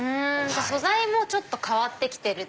素材もちょっと変わって来てる。